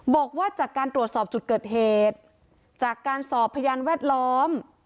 บอกว่าจากการตรวจสอบจุดเกิดเหตุจากการสอบพยานแวดล้อม